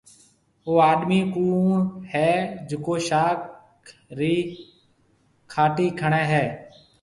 او آڏمِي ڪوُڻ هيَ جڪو شاخ رِي کهاٽِي کڻيَ هيَ۔